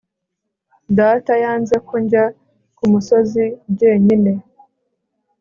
data yanze ko njya ku musozi jyenyine